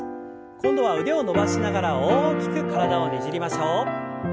今度は腕を伸ばしながら大きく体をねじりましょう。